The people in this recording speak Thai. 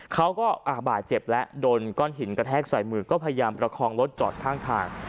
เขาก็บาดเจ็บแล้วโดนก้อนหินกระแทกใส่มือก็พยายามประคองรถจอดข้างทาง